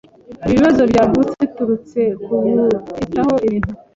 Ibi bibazo byavutse biturutse kubutitaho ibintu.